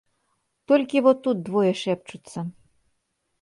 Толькі во тут двое шэпчуцца.